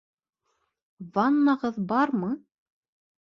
Ваннағыҙ бармы?